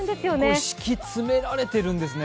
すごい、敷き詰められているんですね。